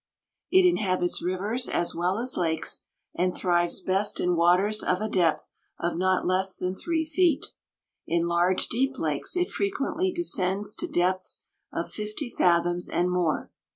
It inhabits rivers as well as lakes, and thrives best in waters of a depth of not less than three feet; in large, deep lakes it frequently descends to depths of fifty fathoms and more.